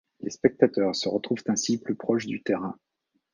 Les spectateurs se retrouvent ainsi plus proches du terrain.